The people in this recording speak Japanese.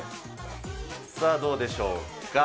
さあ、どうでしょうか。